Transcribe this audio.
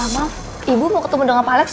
emang ibu mau ketemu dengan pak alex